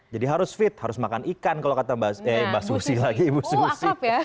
jadi harus fit harus makan ikan kalau kata mbak susi lagi oh akrab ya